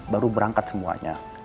baru berangkat semuanya